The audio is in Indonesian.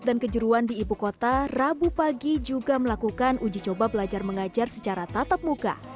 dan kejeruan di ibu kota rabu pagi juga melakukan uji coba belajar mengajar secara tatap muka